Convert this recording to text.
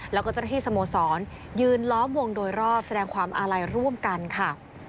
แล้วก็เจ้าหน้าที่สโมสรยืนล้อมวงโดยรอบแสดงความอาลัยร่วมกันค่ะ